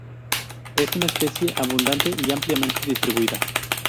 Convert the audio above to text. Es una especie abundante y ampliamente distribuida.